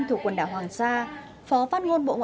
thuộc quần đảo hoàng sa